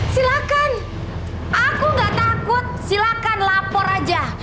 silahkan aku gak takut silahkan lapor aja